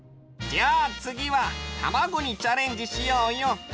じゃあつぎはたまごにチャレンジしようよ。